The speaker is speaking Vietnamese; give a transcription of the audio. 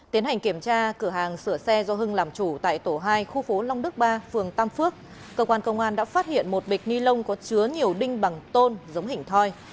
tiến hành kiểm tra cửa hàng sửa xe do hưng làm chủ tại tổ hai khu phố long đức ba phường tam phước cơ quan công an đã phát hiện một bịch ni lông có chứa nhiều đinh bằng tôn giống hình thoi